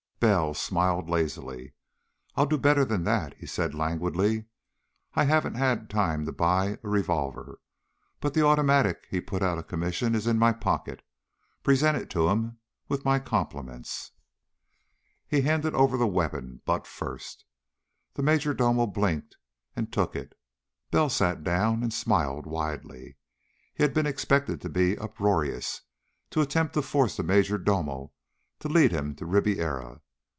Bell smiled lazily. "I'll do better than that," he said languidly. "I haven't had time to buy a revolver. But the automatic he had put out of commission is in my pocket. Present it to him with my compliments." He handed over the weapon, butt first. The major domo blinked, and took it. Bell sat down and smiled widely. He had been expected to be uproarious, to attempt to force the major domo to lead him to Ribiera.